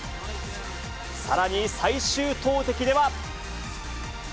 さらに最終投てきでは。